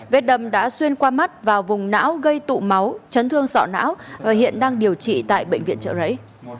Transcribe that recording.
vết đâm đã xuyên qua mắt vào vùng não gây tụ máu chấn thương sọ não và hiện đang điều trị tại bệnh viện trợ rẫy